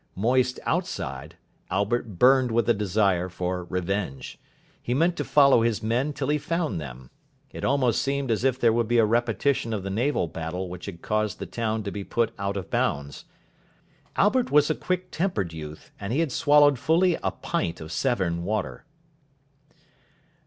Moist outside, Albert burned with a desire for Revenge. He meant to follow his men till he found them. It almost seemed as if there would be a repetition of the naval battle which had caused the town to be put out of bounds. Albert was a quick tempered youth, and he had swallowed fully a pint of Severn water.